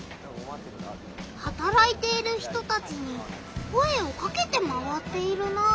はたらいている人たちに声をかけて回っているなあ。